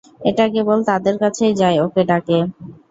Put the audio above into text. এটা কেবল তাদের কাছেই যায় ওকে ডাকে।